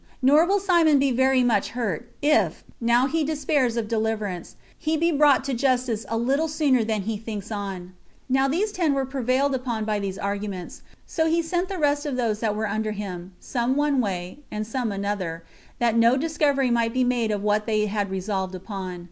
Nor will Simon be very much hurt, if, now he despairs of deliverance, he be brought to justice a little sooner than he thinks on." Now these ten were prevailed upon by those arguments; so he sent the rest of those that were under him, some one way, and some another, that no discovery might be made of what they had resolved upon.